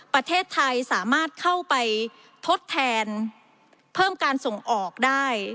ประเทศไทยสามารถเข้าไปทดแทนเพิ่มการส่งออกได้